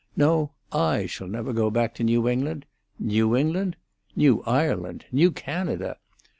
No, I shall never go back to New England. New England? New Ireland——New Canada!